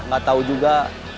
gak tau juga